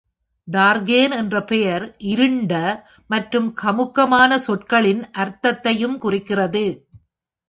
டார்கேன் என்ற பெயர் "இருண்ட" மற்றும் "கமுக்கமான" சொற்களின் அர்த்தத்தையும் குறிக்கிறது.